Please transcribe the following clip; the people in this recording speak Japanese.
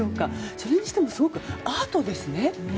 それにしてもすごくアートですね。